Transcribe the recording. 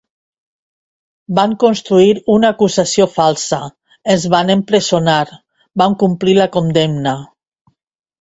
Van construir una acusació falsa, ens van empresonar, vam complir la condemna.